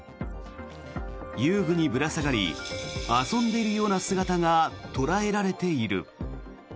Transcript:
遊具にぶら下がり遊んでいるような姿が捉えられている。